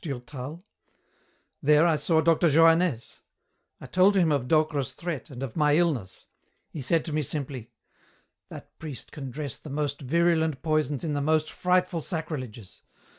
asked Durtal. "There I saw Dr. Johannès. I told him of Docre's threat and of my illness. He said to me simply. 'That priest can dress the most virulent poisons in the most frightful sacrileges.